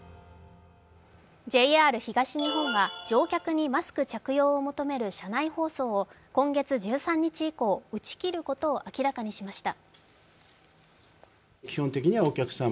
ＪＲ東日本は乗客にマスク着用を求める車内放送を今月１３日以降打ち切ることを明らかにしました。